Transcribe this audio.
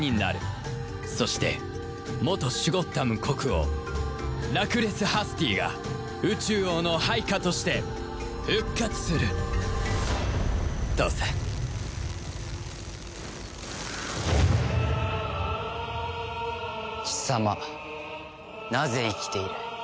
そして元シュゴッダム国王ラクレス・ハスティーが宇蟲王の配下として復活するとさ貴様なぜ生きている？